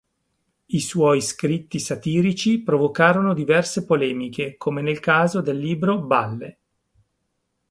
I suoi scritti satirici provocarono diverse polemiche, come nel caso del libro "Balle!